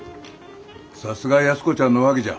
さすが安子ちゃんのおはぎじゃ。